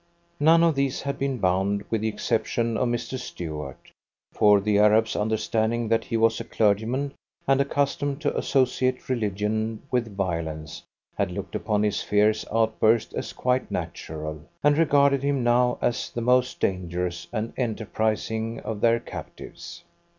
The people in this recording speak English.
None of these had been bound with the exception of Mr. Stuart for the Arabs, understanding that he was a clergyman, and accustomed to associate religion with violence, had looked upon his fierce outburst as quite natural, and regarded him now as the most dangerous and enterprising of their captives.